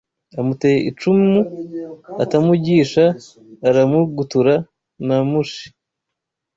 Amuteye icumu atamugisha Aramugutura na Mushi